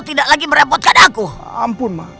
tidak lagi merepotkan aku ampun